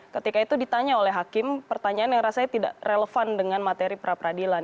ketika itu ditanya oleh hakim pertanyaan yang rasanya tidak relevan dengan materi pra peradilan